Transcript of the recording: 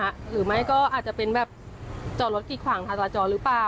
หรือไหมก็อาจจะเป็นจอรถกิดขวางทัศนาจอหรือเปล่า